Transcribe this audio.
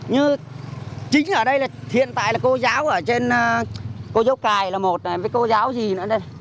như chính ở đây là hiện tại là cô giáo ở trên cô giáo cài là một này với cô giáo gì nữa đây